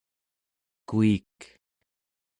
kuik